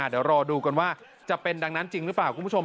เดี๋ยวรอดูกันว่าจะเป็นดังนั้นจริงหรือเปล่าคุณผู้ชม